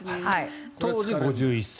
当時５１歳。